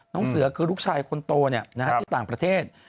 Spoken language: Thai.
น้องเสือคือลูกชายคนโตเนี่ยนะครับต่างประเทศ